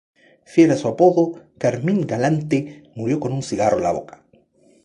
Fiel a su apodo, Carmine Galante murió con un cigarro en la boca.